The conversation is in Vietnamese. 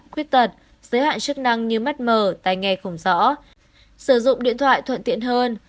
khuyết tật giới hạn chức năng như mắt mờ tay nghe không rõ sử dụng điện thoại thuận tiện hơn